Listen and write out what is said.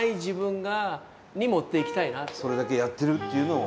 それだけやってるっていうのを。